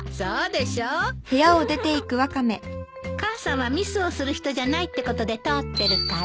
母さんはミスをする人じゃないってことで通ってるから。